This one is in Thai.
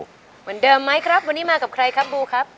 เหมือนเดิมไหมครับวันนี้มากับใครครับบูครับ